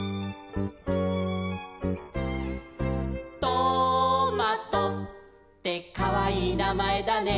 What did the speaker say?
「トマトってかわいいなまえだね」